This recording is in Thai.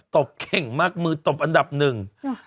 บเข่งมากมือตบอันดับหนึ่ง